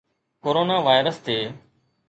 corona virus تي